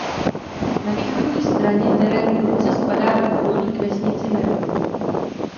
Na východní straně terén prudce spadá do údolí k vesnici Meron.